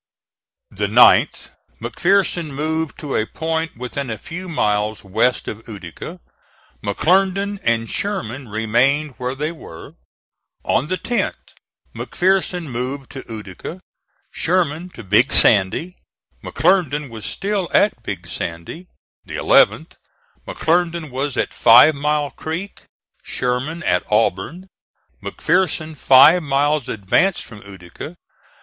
The 9th, McPherson moved to a point within a few miles west of Utica; McClernand and Sherman remained where they were. On the 10th McPherson moved to Utica, Sherman to Big Sandy; McClernand was still at Big Sandy. The 11th, McClernand was at Five Mile Creek; Sherman at Auburn; McPherson five miles advanced from Utica.